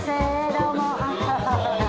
どうも。